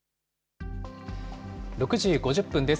６時５０分です。